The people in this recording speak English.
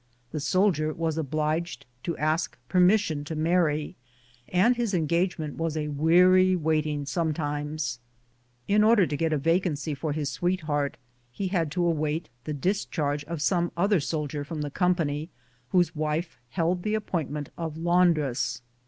The soldier was obliged to ask permission to mar ry, and his engagement was a weary waiting sometimes. In order to get a vacancy for his sweetheart, he had to await the discharge of some other soldier from the com 106 BOOTS AND SADDLES. panj, whose wife held the appointment of laundress.